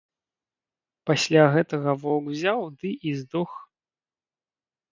Пасля гэтага воўк узяў ды і здох.